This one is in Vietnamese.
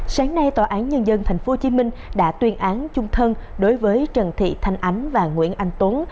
sáng nay tòa án nhân dân tp hcm đã tuyên án chung thân đối với trần thị thanh ánh và nguyễn anh tuấn